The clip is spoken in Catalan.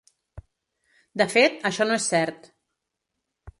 De fet, això no és cert.